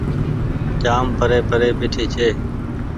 جآم پري پري ٻيٺي ڇي۔